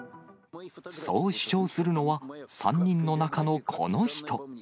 そう主張するのは、３人の中のこの人。